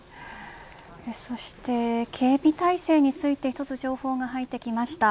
そして警備態勢について１つ情報が入ってきました。